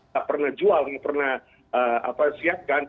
tak pernah jual nggak pernah siapkan